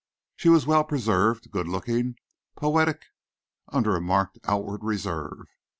She was well preserved, good looking, poetic under a marked outward reserve.